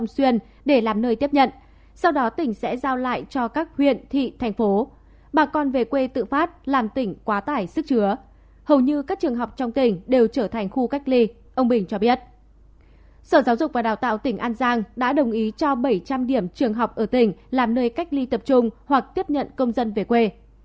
sở giáo dục và đào tạo tỉnh an giang đã đồng ý cho bảy trăm linh điểm trường học ở tỉnh làm nơi cách ly tập trung hoặc tiếp nhận công dân về quê